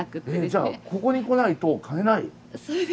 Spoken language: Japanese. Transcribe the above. じゃあここに来ないと買えない？